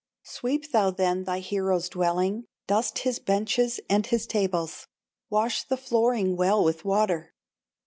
Sweep thou then thy hero's dwelling, Dust his benches and his tables, Wash the flooring well with water.